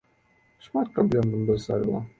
Шмат праблем нам даставіла.